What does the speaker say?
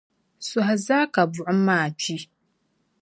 Sohi zaa ka buɣum maa kpi.